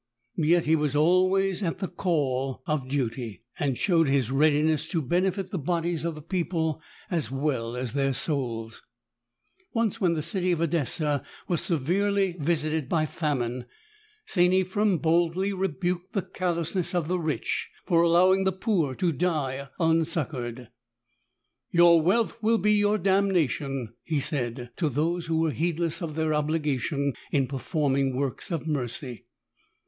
Yet he was always at the call of duty, and showed his readiness to benefit the bodies of the people as well as their souls. Once when the city of Edessa was severely visited by famine St. Ephrem boldly rebuked the callousness of the rich for allowing the poor to die un succoured. ''Your wealth will be your damnation," he said to those who were heedless of their obligation in performing works of mercy.